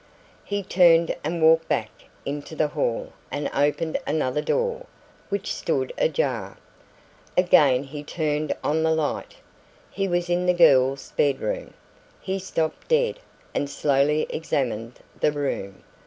He turned and walked back into the hall and opened another door, which stood ajar. Again he turned on the light. He was in the girl's bedroom. He stopped dead, and slowly examined the room.